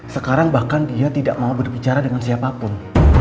sekarang bahkan dia tidak mau berbicara dengan siapapun